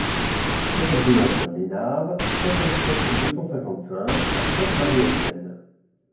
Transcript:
quinze rue Antoine Ménard, cinquante-sept, deux cent cinquante-cinq à Sainte-Marie-aux-Chênes